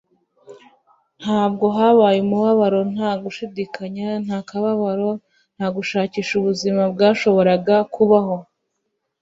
ntabwo habaye umubabaro, nta gushidikanya, nta kababaro, nta gushakisha ubuzima bwashoboraga kubaho